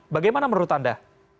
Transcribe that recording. bagaimana menurut anda